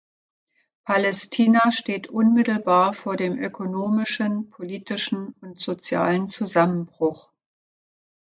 Palästina steht unmittelbar vor dem ökonomischen, politischen und sozialen Zusammenbruch.